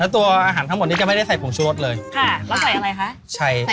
แล้วตัวอาหารทั้งหมดนี้จะไม่ได้ใส่ผงสุรษะเลยค่ะแล้วใส่อะไรคะ